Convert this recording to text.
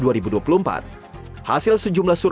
hasil sejumlah survei politiknya